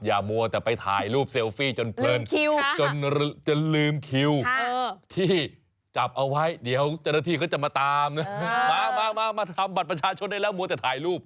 มัวแต่ไปถ่ายรูปเซลฟี่จนเพลินคิวจนลืมคิวที่จับเอาไว้เดี๋ยวเจ้าหน้าที่เขาจะมาตามนะมามาทำบัตรประชาชนได้แล้วมัวแต่ถ่ายรูป